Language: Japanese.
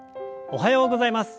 おはようございます。